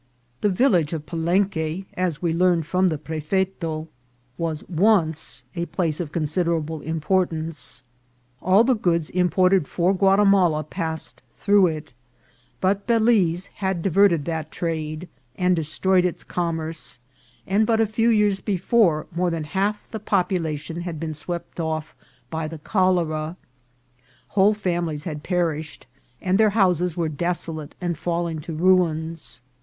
The village of Palenque, as we learned from the pre feto, was once a place of considerable importance, all the goods imported for Guatimala passing through it ; but Balize had diverted that trade and destroyed its commerce, and but a few years before more than half the population had been swept off by the cholera. Whole families had perished, and their houses were desolate and falling to ruins.